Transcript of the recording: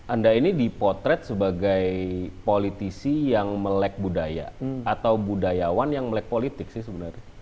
anda ini dipotret sebagai politisi yang melek budaya atau budayawan yang melek politik sih sebenarnya